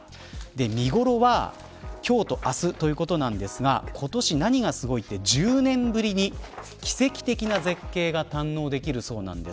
見頃は今日と明日ということなんですが今年、何がすごいって１０年ぶりに奇跡的な絶景が堪能できるそうなんです。